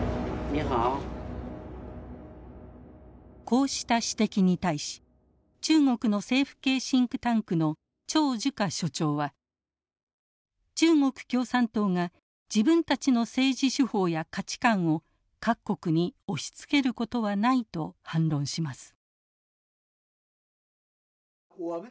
こうした指摘に対し中国の政府系シンクタンクの張樹華所長は中国共産党が自分たちの政治手法や価値観を各国に押しつけることはないと反論します。